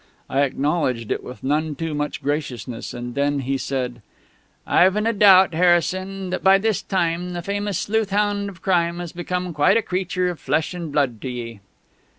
I acknowledged it with none too much graciousness; and then he said: "I've na doubt, Harrison, that by this time the famous sleuth hound of crime has become quite a creature of flesh and blood to ye."